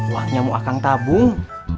waknyamu akang tabung